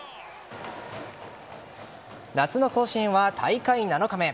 夏の甲子園は大会７日目。